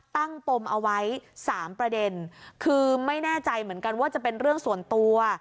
ปมเอาไว้สามประเด็นคือไม่แน่ใจเหมือนกันว่าจะเป็นเรื่องส่วนตัว